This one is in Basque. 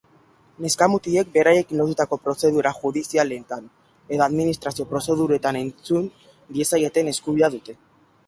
Neska-mutilek beraiekin lotutako prozedura judizialetan edo administrazio prozeduretan entzun diezaieten eskubidea dute.